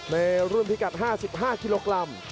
ในรุ่นพิกัด๕๕กิโลกรัม